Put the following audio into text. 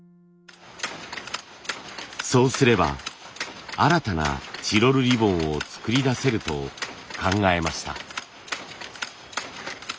そうすれば新たなチロルリボンを作り出せると考えました。